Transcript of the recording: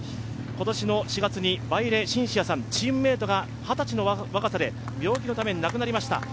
今年の４月にバイレ・シンシアさん、チームメイトが二十歳の若さで病気のため亡くなりました。